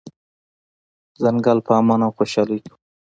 ځنګل په امن او خوشحالۍ کې و.